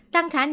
tăng khả năng